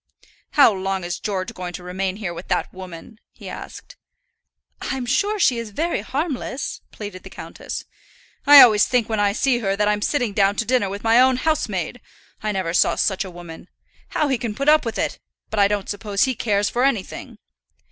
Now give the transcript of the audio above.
"How long is George going to remain here with that woman?" he asked. "I'm sure she is very harmless," pleaded the countess. "I always think when I see her that I'm sitting down to dinner with my own housemaid. I never saw such a woman. How he can put up with it! But I don't suppose he cares for anything."